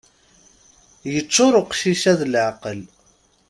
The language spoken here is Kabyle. Yeččur uqcic-a d leɛqel.